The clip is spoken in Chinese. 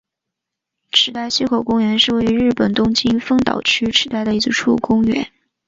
池袋西口公园是位于日本东京都丰岛区池袋的一处公园。